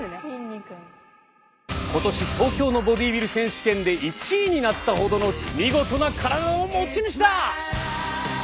今年東京のボディービル選手権で１位になったほどの見事な体の持ち主だ！